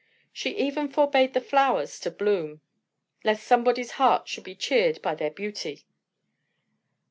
She even forbade the flowers to bloom, lest somebody's heart should be cheered by their beauty.